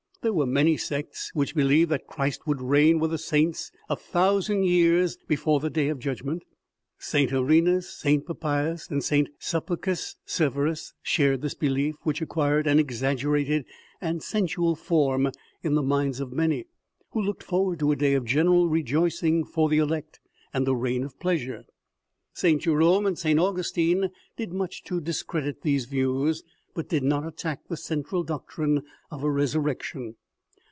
There were many sects which believed that Christ would reign with the saints a thousand years before the day of judgment. St. Irenus, St. Papias, and St. Sulpicius Severus shared this belief, which acquired an exaggerated and sensual form in the minds of many, who looked forward to a day of general rejoicing for the elect and a reign of pleasure. St. Jerome and St. Augus tine did much to discredit these views, but did not attack the central doctrine of a resurrection.